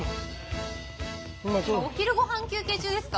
お昼ごはん休憩中ですか？